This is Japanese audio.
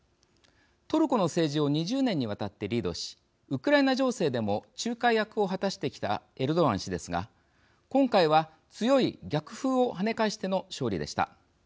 トルコの政治を２０年にわたってリードしウクライナ情勢でも仲介役を果たしてきたエルドアン氏ですが今回は強い逆風を跳ね返しての勝利でした。